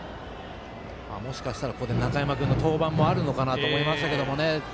もしかしたら、ここで中山君の登板もあるのかなと思いましたけれどもね。